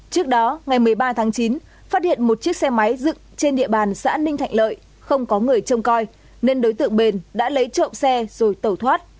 trước đó ngày một mươi ba tháng chín phát hiện một chiếc xe máy dựng trên địa bàn xã ninh thạnh lợi không có người trông coi nên đối tượng bền đã lấy trộm xe rồi tẩu thoát